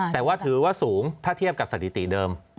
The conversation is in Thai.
แต่ว่าถือว่าสูงถ้าเทียบกับสถิติเดิม